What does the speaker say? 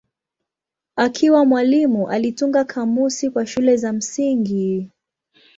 Akiwa mwalimu alitunga kamusi kwa shule za msingi.